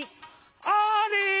「あれ！」。